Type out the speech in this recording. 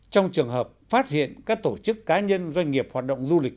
trong trường hợp phát hiện các tổ chức cá nhân doanh nghiệp hoạt động du lịch